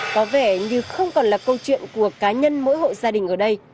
có vẻ như không còn là câu chuyện của cá nhân mỗi hộ gia đình ở đây